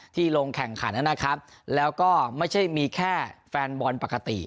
ลงแข่งขันนะครับแล้วก็ไม่ใช่มีแค่แฟนบอลปกติ